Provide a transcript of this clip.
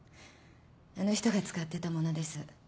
あの人が使ってたものです。